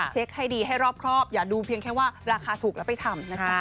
เช็คให้ดีให้รอบครอบอย่าดูเพียงแค่ว่าราคาถูกแล้วไปทำนะคะ